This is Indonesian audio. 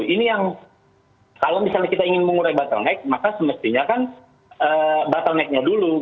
ini yang kalau misalnya kita ingin mengurai bottleneck maka semestinya kan bottlenecknya dulu